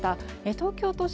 東京都心